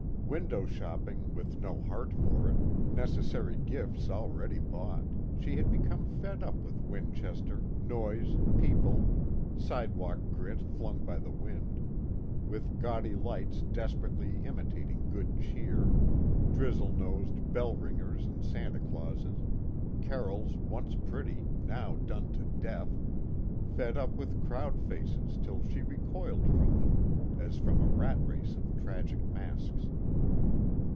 Window shopping with no heart for it, necessary gifts already bought, she had become fed up with Winchester, noise, people, sidewalk grit flung by the wind; with gaudy lights desperately imitating good cheer, drizzle nosed bell ringers and Santa Clauses, carols once pretty now done to death, fed up with crowd faces till she recoiled from them as from a rat race of tragic masks.